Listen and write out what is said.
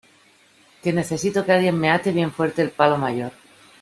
que necesito que alguien me ate bien fuerte al palo mayor